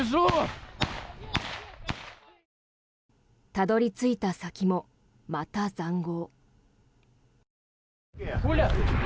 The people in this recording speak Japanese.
たどり着いた先もまた塹壕。